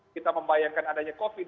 kita membayangkan adanya covid